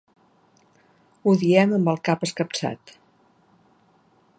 Ho diem amb el cap escapçat.